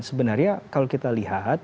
sebenarnya kalau kita lihat